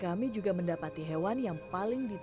kami juga mendapati hewan yang berbeda dengan kita